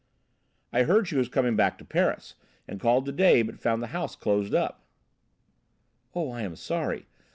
"I heard she was coming back to Paris, and called to day, but found the house closed up." "Oh, I am sorry.